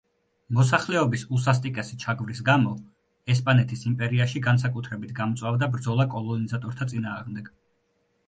მოსახლეობის უსასტიკესი ჩაგვრის გამო ესპანეთის იმპერიაში განსაკუთრებით გამწვავდა ბრძოლა კოლონიზატორთა წინააღმდეგ.